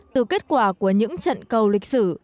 từ kết quả của những trận cầu lịch sử